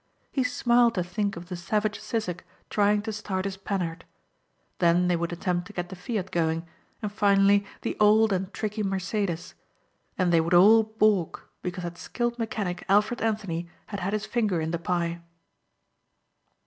He smiled to think of the savage Sissek trying to start his Panhard. Then they would attempt to get the Fiat going and finally, the old and tricky Mercedes. And they would all balk because that skilled mechanic Alfred Anthony had had his finger in the pie.